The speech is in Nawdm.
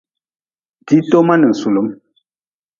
Diitoma ninsulm.